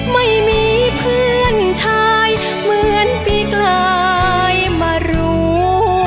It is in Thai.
ไม่มีเพื่อนชายเหมือนปีกลายมารู้